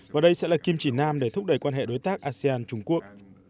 và đây sẽ là kim chỉ nam để thúc đẩy quan hệ đối tác asean trung quốc